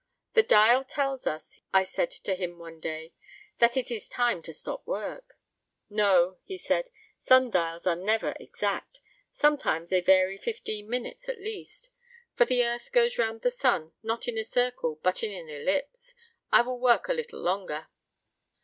"The dial tells us," I said to him one day, "that it is time to stop work." "No," he said, "sun dials are never exact; sometimes they vary fifteen minutes, at least. For the Earth goes around the Sun not in a circle but in an ellipse. I will work a little longer."